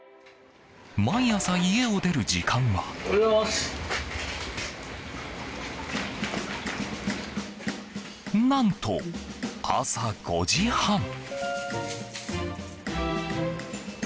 毎朝、家を出る時間は何と朝５時半。